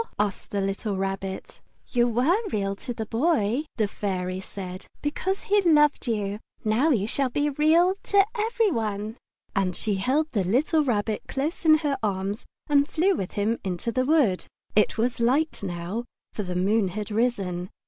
asked the little Rabbit. "You were Real to the Boy," the Fairy said, "because he loved you. Now you shall be Real to every one." The Fairy Flower And she held the little Rabbit close in her arms and flew with him into the wood. It was light now, for the moon had risen.